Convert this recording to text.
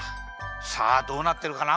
さあどうなってるかな？